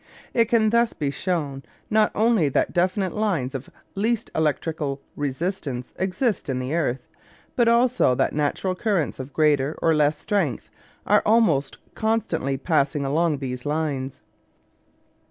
It can thus be shown not only that definite lines of least electrical resistance exist in the earth, but also that natural currents of greater or less strength are almost constantly passing along these lines.